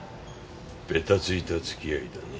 べたついた付き合いだね。